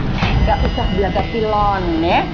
nggak usah bilang gati ibu